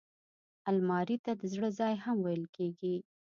الماري ته د زړه ځای هم ویل کېږي